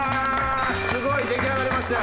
すごい！出来上がりましたよ。